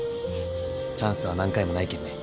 チャンスは何回もないけんね。